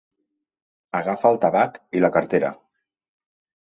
Agafa el tabac i la cartera.